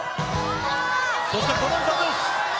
そしてこの歌です。